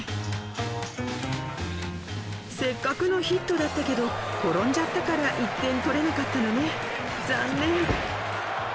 せっかくのヒットだったけど転んじゃったから１点取れなかったのね残念！